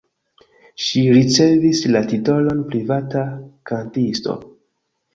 Ŝi ricevis la titolon privata kantisto.